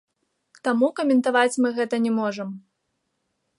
Таму каментаваць мы гэта не можам.